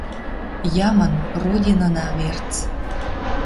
Ямын Родинына верц.